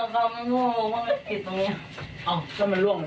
แล้วเข้ามาทำไม